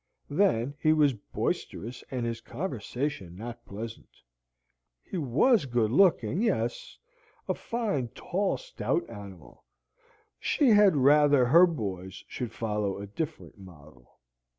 Then he was boisterous, and his conversation not pleasant. He was good looking yes a fine tall stout animal; she had rather her boys should follow a different model.